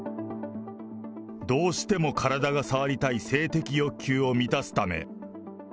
どうしても体が触りたい性的欲求を満たすため。